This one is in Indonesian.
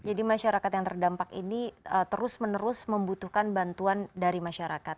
jadi masyarakat yang terdampak ini terus menerus membutuhkan bantuan dari masyarakat